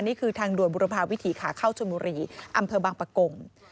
นี่คือทางด่วนบุรพาวิถีขาเข้าชนบุรีอำเภอบางปะกง